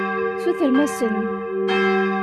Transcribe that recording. Sutrem-asen.